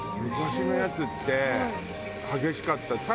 昔のやつって激しかった。